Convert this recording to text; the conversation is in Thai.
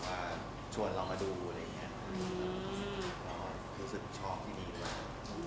ไม่เป็นเรื่องเฉพาะเลย